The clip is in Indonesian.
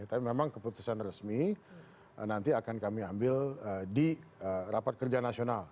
tapi memang keputusan resmi nanti akan kami ambil di rapat kerja nasional